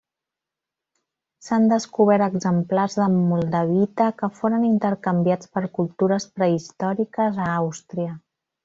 S'han descobert exemplars de moldavita que foren intercanviats per cultures prehistòriques a Àustria.